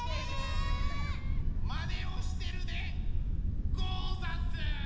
まねをしてるでござんす！